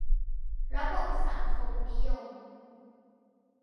ระบบสังคมนิยม